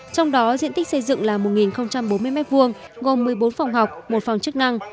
trong đó diện tích xây dựng là một bốn mươi m hai gồm một mươi bốn phòng học một phòng chức năng